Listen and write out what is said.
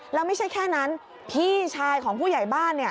แล้วไม่ใช่แค่นั้นพี่ชายของผู้ใหญ่บ้าน